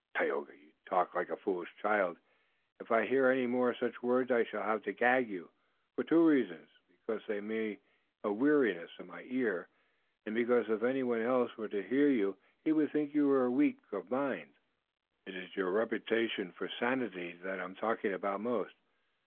"Tayoga, you talk like a foolish child. If I hear any more such words I shall have to gag you, for two reasons, because they make a weariness in my ear, and because if anyone else were to hear you he would think you were weak of mind. It's your reputation for sanity that I'm thinking about most.